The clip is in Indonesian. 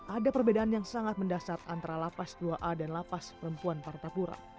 ada perbedaan yang sangat mendasar antara lapas dua a dan lapas perempuan partapura